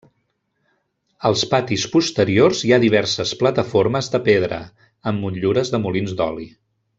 Als patis posteriors hi ha diverses plataformes de pedra, amb motllures de molins d'oli.